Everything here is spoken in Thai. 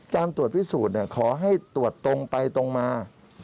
การตรวจพิสูจน์ขอให้ตรวจตรงไปตรงมา